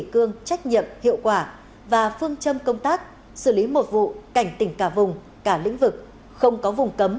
có tính lan tỏa tạo truyền biến mạnh mẽ